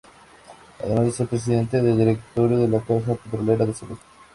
Además de ser presidente del directorio de la Caja Petrolera de Salud.